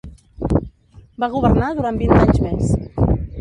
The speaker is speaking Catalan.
Va governar durant vint anys més.